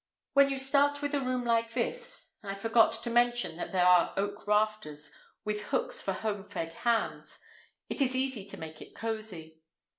When you start with a room like this—I forgot to mention that there are oak rafters, with hooks for home fed hams—it is easy to make it cosy.